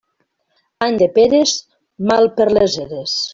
Any de peres, mal per les eres.